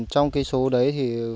trong cái số đấy